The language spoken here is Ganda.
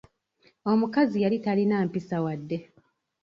Omukazi yali talina mpisa wadde.